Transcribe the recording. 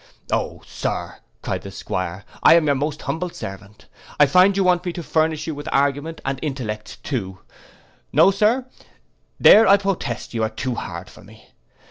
'—'O sir,' cried the 'Squire, 'I am your most humble servant, I find you want me to furnish you with argument and intellects too. No, sir, there I protest you are too hard for me.